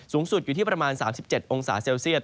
สูงสุดอยู่ที่ประมาณ๓๗องศาเซลเซียต